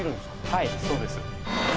はいそうです。